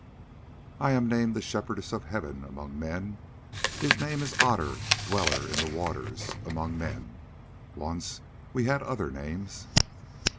"I am named the Shepherdess of Heaven among men. He is named Otter, Dweller in the Waters, among men. Once we had other names."